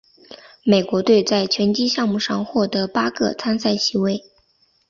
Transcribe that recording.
美国队在拳击项目上获得八个参赛席位。